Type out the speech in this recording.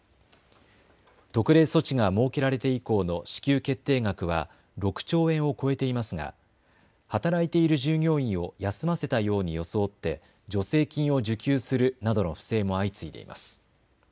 特例措置が設けられて以降の支給決定額は６兆円を超えていますが働いている従業員を休ませたように装って助成金を受給するなどの不正も相次いでいます。